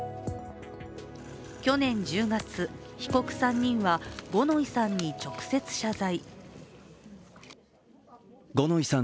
去年１０月、被告３人は五ノ井さんに直接謝罪。